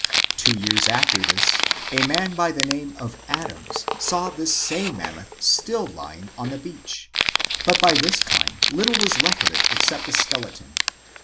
Two years after this, a man by the name of Adams saw this same Mammoth still lying on the beach. But by this time little was left of it except the skeleton.